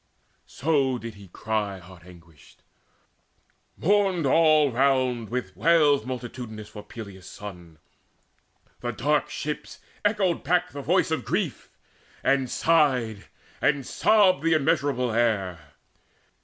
So did he cry heart anguished. Mourned all round Wails multitudinous for Peleus' son: The dark ships echoed back the voice of grief, And sighed and sobbed the immeasurable air.